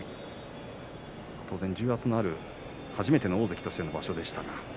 当然、重圧のある初めての大関としての場所でした。